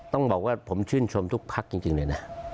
ต้องบอกว่าผมชื่นชมทุกพักจริงเลยนะ